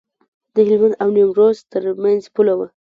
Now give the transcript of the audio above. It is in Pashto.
د هلمند او نیمروز ترمنځ پوله وه.